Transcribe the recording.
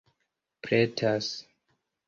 pretas